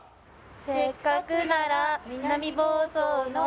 「せっかくなら南房総の」